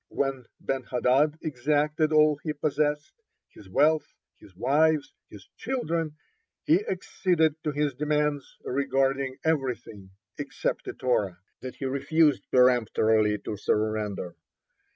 When Ben hadad exacted all he possessed his wealth, his wives, his children he acceded to his demands regarding everything except the Torah; that he refused peremptorily to surrender.